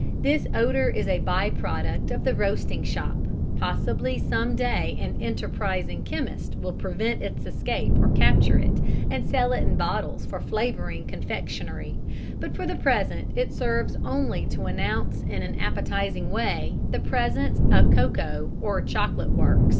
This odour is a bye product of the roasting shop; possibly some day an enterprising chemist will prevent its escape or capture it, and sell it in bottles for flavouring confectionery, but for the present it serves only to announce in an appetising way the presence of a cocoa or chocolate works.